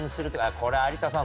これ有田さん